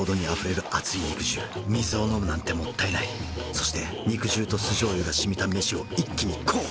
そして肉汁と酢醤油がしみた飯を一気にこう！